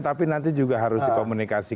tapi nanti juga harus dikomunikasi